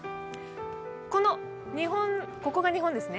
ここが日本ですね。